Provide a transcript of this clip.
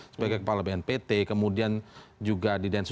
sebagai kepala bnpt kemudian juga di densus delapan puluh delapan